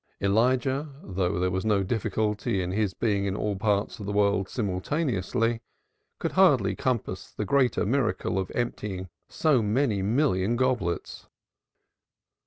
Elijah, though there was no difficulty in his being in all parts of the world simultaneously, could hardly compass the greater miracle of emptying so many million goblets.